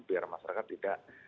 biar masyarakat tidak